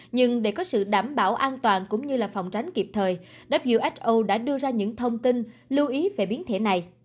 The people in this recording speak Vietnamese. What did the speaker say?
nhưng để có sự đảm bảo an toàn cũng như là phòng tránh kịp thời who đã đưa ra những thông tin lưu ý về biến thể này